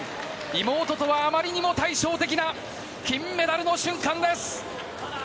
妹とはあまりに対照的な金メダルの瞬間です。